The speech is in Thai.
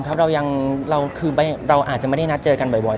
ติดต่อกันเหมือนเดิมครับเราอาจจะไม่ได้นัดเจอกันบ่อย